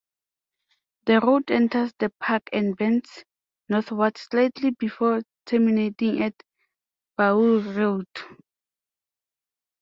The road enters the park and bends northward slightly before terminating at Bauer Road.